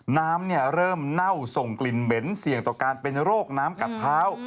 น้ำเริ่มเน่าส่งกลิ่นเหม็นเสี่ยงต่อการเป็นโรคน้ำกัดเท้า